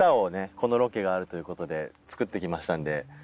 このロケがあるということで作ってきましたんで。